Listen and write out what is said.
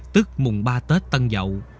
tức mùng ba tết tân dậu